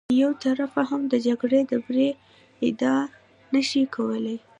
یو طرف هم د جګړې د بري ادعا نه شي کولی.